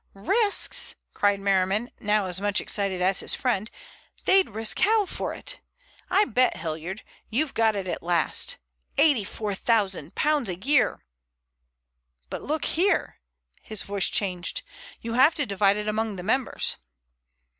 "Risks?" cried Merriman, now as much excited as his friend. "They'd risk hell for it! I bet, Hilliard, you've got it at last. £84,000 a year! But look here,"—his voice changed—"you have to divide it among the members."